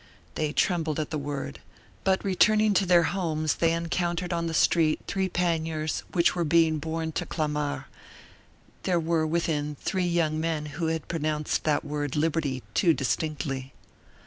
They trembled at the word; but returning to their homes they encountered on the street three panniers which were being borne to Clamart; there were, within, three young men who had pronounced that word liberty too distinctly.